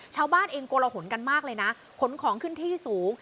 ชาวบ้านเองโกลหนกันมากเลยนะขนของขึ้นที่สูง